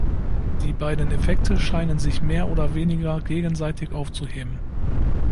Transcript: Die beiden Effekte scheinen sich mehr oder weniger gegenseitig aufzuheben.